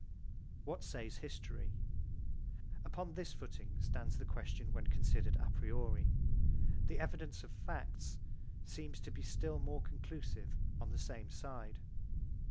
What says history? Upon this footing stands the question when considered a priori: the evidence of facts seems to be still more conclusive on the same side.